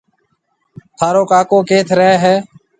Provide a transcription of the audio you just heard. ٿارو ڪاڪو ڪيٿ رهيَ هيَ؟